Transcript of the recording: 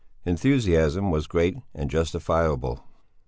Enthusiasm was great and justifiable.